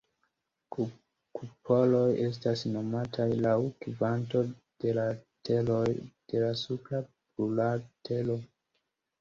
Kupoloj estas nomataj laŭ kvanto de lateroj de la supra plurlatero.